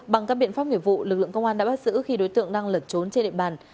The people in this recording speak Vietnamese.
bằng các biện pháp nghiệp vụ lực lượng công an đã bắt giữ khi đối tượng đang lẩn trốn trên địa bàn